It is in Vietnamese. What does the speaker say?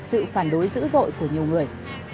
sự phản đối dữ dội của nhiều người